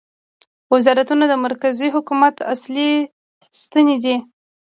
وزارتونه د مرکزي حکومت اصلي ستنې دي